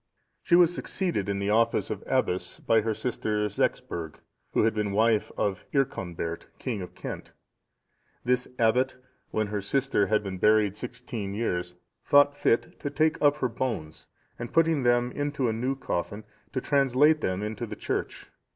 She was succeeded in the office of abbess by her sister Sexburg,(665) who had been wife to Earconbert, king of Kent. This abbess, when her sister had been buried sixteen years, thought fit to take up her bones, and, putting them into a new coffin, to translate them into the church.